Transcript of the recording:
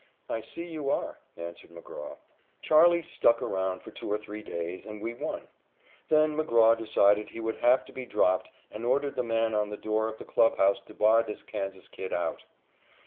"I see you are," answered McGraw. "Charley" stuck around for two or three days, and we won. Then McGraw decided he would have to be dropped and ordered the man on the door of the clubhouse to bar this Kansas kid out.